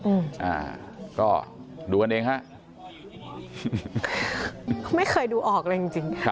อืมอ่าก็ดูกันเองฮะไม่เคยดูออกเลยจริงจริงค่ะ